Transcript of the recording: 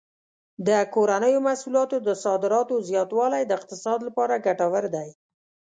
د کورنیو محصولاتو د صادراتو زیاتوالی د اقتصاد لپاره ګټور دی.